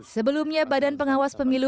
sebelumnya badan pengawas pemilu